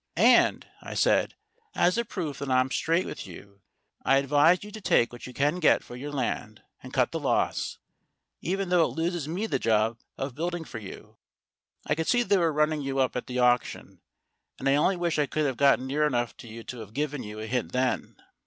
"And," I said, "as a proof that I'm straight with you, I advise you to take what you can get for your land, and cut the loss, even though it loses me the job of building for you. I could see they were running you up at the auction, and I only wish I could have got near enough to you to have given you a hint then."